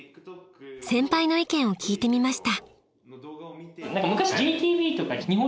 ［先輩の意見を聞いてみました］